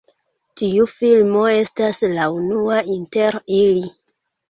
Tiu filmo estas la unua inter ili.